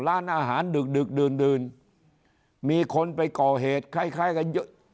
ร้านอาหารดึกดึกดื่นดื่นมีคนไปก่อเหตุคล้ายคล้ายกันเยอะ